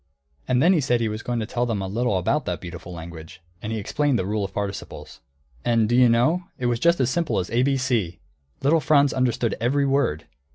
And then he said he was going to tell them a little about that beautiful language, and he explained the rule of participles. And do you know, it was just as simple as ABC! Little Franz understood every word.